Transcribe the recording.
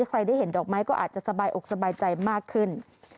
ใครได้เห็นดอกไม้ก็อาจจะสบายอกสบายใจมากขึ้น